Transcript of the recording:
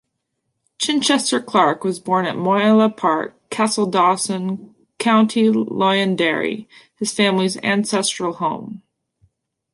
Chichester-Clark was born at Moyola Park, Castledawson, County Londonderry, his family's ancestral home.